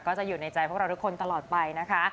ก็จะอยู่ในใจพวกเราทุกคนตลอดไปนะคะ